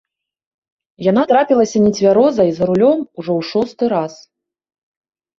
Яна трапілася нецвярозай за рулём ужо ў шосты раз.